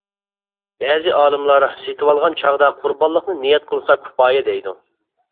بەزى ئالىملار سېتىۋالغان چاغدا قۇربانلىقنى نىيەت قىلسا كۇپايە دەيدۇ.